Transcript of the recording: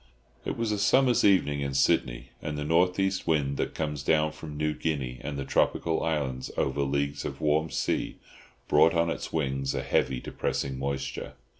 It was a summer's evening in Sydney, and the north east wind that comes down from New Guinea and the tropical islands over leagues of warm sea, brought on its wings a heavy depressing moisture.